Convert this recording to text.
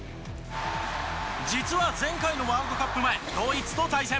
実は、前回のワールドカップ前ドイツと対戦。